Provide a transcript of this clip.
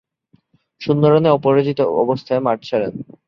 শূন্য রানে অপরাজিত অবস্থায় মাঠ ছাড়েন।